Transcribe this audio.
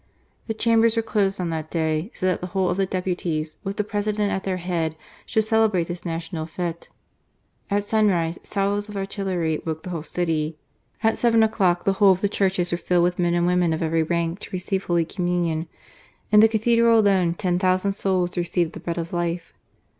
The Chambers were closed on that day ; so that the whole of the deputies, with the President at their head, should celebrate this national /ffe. At sunrise, salvos of artillery woke the whole city. At seven o'clock the whole of the churches were filled with men and women of every rank to receive Holy Communion. In the Cathedral alone, ten thousand souls received the Bread of Life.